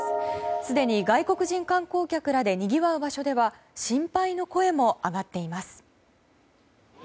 すでに外国人観光客らでにぎわう場所では心配の声も上がっています。